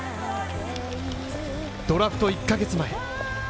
ドラフト１ヶ月前。